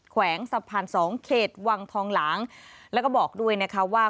แขวงสะพานสองเขตวังทองหลางแล้วก็บอกด้วยนะคะว่า